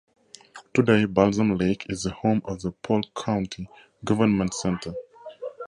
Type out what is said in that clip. Today, Balsam Lake is the home of the Polk County Government Center.